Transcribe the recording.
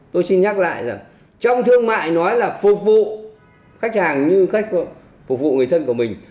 tôi xin nhắc lại rằng trong thương mại nói là phục vụ khách hàng như khách phục vụ người thân của mình